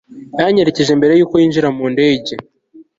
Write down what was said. yanyerekeje mbere yuko yinjira mu ndege